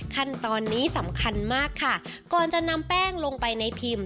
ขั้นตอนนี้สำคัญมากค่ะก่อนจะนำแป้งลงไปในพิมพ์